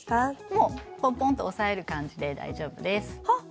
もうポンポンと押さえる感じで大丈夫ですあっ